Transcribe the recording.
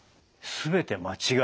全て間違い。